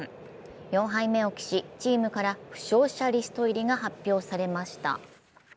４敗目を喫し、チームから負傷者リスト入りが発表されました。